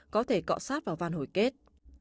có thể cọ sát vào văn hồi kết